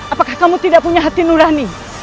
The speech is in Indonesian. apakah kamu tidak punya hati nurani